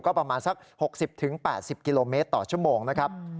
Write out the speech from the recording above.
ก็ประมาณสัก๖๐๘๐กิโลเมตรต่อชั่วโมงนะครับ